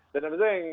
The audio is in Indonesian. dan habis itu yang